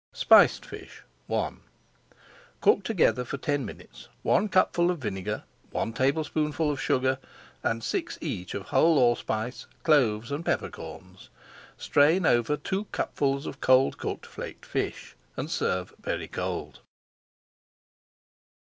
SPICED FISH I Cook together for ten minutes one cupful of vinegar, one tablespoonful of sugar, and six each of whole allspice, cloves, and peppercorns. Strain over two cupfuls of cold cooked flaked fish, and serve very cold.